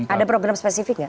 ada program spesifik gak